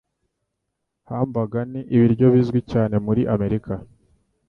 Hamburger ni ibiryo bizwi cyane byo muri Amerika.